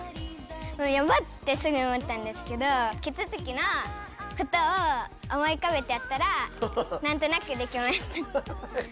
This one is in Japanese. やば！ってすぐ思ったんですけどキツツキのことを思いうかべてやったらなんとなくできました。